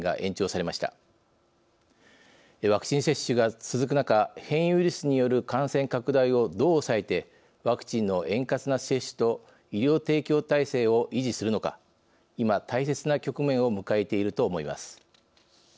ワクチン接種が続く中変異ウイルスによる感染拡大をどう抑えてワクチンの円滑な接種と医療提供体制を維持するのか今大切な局面を迎えていると思います。